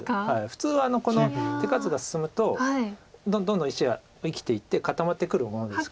普通は手数が進むとどんどん石が生きていって固まってくるものですけども。